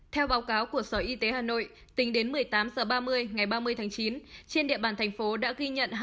theo báo cáo của sở y tế hà nội tính đến một mươi tám h ba mươi ngày ba mươi tháng chín trên địa bàn thành phố đã ghi nhận